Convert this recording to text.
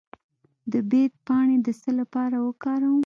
د بید پاڼې د څه لپاره وکاروم؟